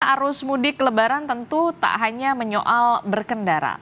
arus mudik lebaran tentu tak hanya menyoal berkendara